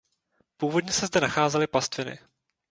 Původně se zde nacházely pastviny.